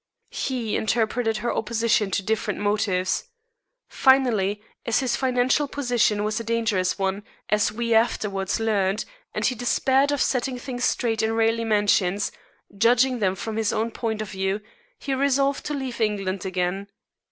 He interpreted her opposition to different motives. Finally, as his financial position was a dangerous one, as we afterwards learned, and he despaired of setting things straight in Raleigh Mansions judging them from his own point of view he resolved to leave England again.